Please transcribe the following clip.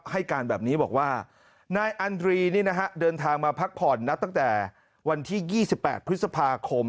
ให้การแบบนี้บอกว่านายอันดรีนี่นะฮะเดินทางมาพักผ่อนนับตั้งแต่วันที่๒๘พฤษภาคม